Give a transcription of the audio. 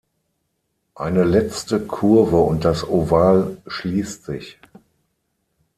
Eine letzte Kurve und das Oval schließt sich.